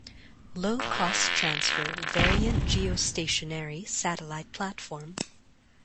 Low cost transfer variant geostationary satellite platform.